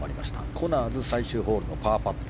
コナーズ最終ホールのパーパット。